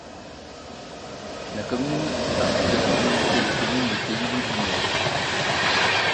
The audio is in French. La commune fait partie de la communauté de communes du Pays Loudunais.